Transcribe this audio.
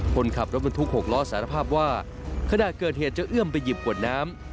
คนขับรถบรรทุก๖ล้อสารภาพว่าขณะเกิดเหตุจะเอื้อมไปหยิบขวดน้ำ